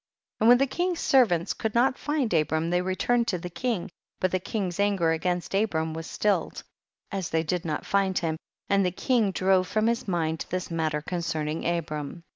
62. And when the king's servants could not find Abram they returned to the king, but the king's anger against Abram was stilled, as they did not find him, and tlie king drove from liis mind this matter concern ing Abram.